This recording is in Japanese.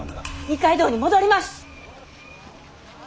二階堂に戻ります！